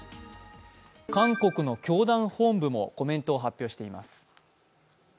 韓国の教団本部もコメントを発表しています。